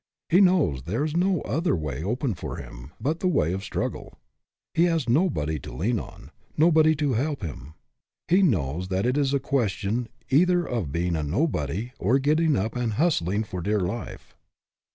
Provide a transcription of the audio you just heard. He knows there is no other way open for him but the way of struggle. He has nobody to lean on nobody to help him. He knows that it is a question either of being a nobody or getting up and hustling for dear life.